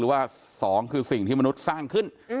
ว่า๒คือสิ่งที่มนุษย์สร้างขึ้น